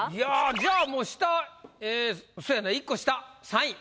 じゃあもう下えそやな１個下３位。